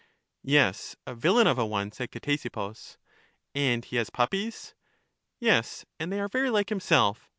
Yes, a villain of a one, said Ctesippus. And he has puppies? Yes, and they are very like himself.